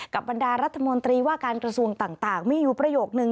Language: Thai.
บรรดารัฐมนตรีว่าการกระทรวงต่างมีอยู่ประโยคนึง